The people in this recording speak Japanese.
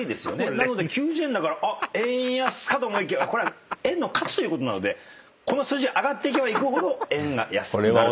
「なので９０円だから円安かと思いきやこれは円の価値ということなのでこの数字が上がっていけばいくほど円が安くなる」